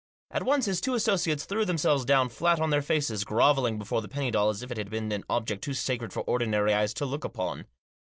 At once his two associates threw themselves down flat on their faces, grovelling before the penny doll as if it had been an object too sacred for ordinary eyes to look upon.